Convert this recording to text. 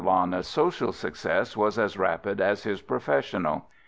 Lana's social success was as rapid as his professional.